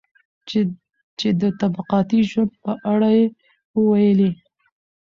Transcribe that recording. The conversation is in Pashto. چې د طبقاتي ژوند په اړه يې وويلي.